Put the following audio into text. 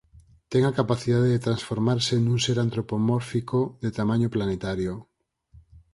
Ten a capacidade de transformarse nun ser antropomórfico de tamaño planetario.